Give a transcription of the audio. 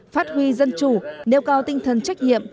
phát huy dân chủ nêu cao tinh thần trách nhiệm